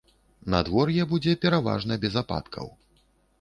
Надвор'е будзе пераважна без ападкаў.